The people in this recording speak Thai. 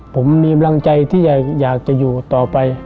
ผมมีกำลังใจที่อยากจะอยู่ต่อไป